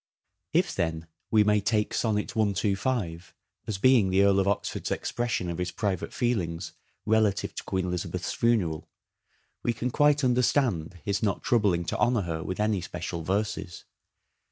If, then, we may take sonnet 125 as being the Earl of Oxford's expression of his private feelings relative to Queen Elizabeth's funeral, we can quite understand his not troubling to honour her with any special verses.